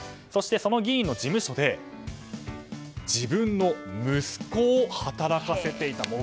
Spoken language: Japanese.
そしてその議員の事務所で自分の息子を働かせていた。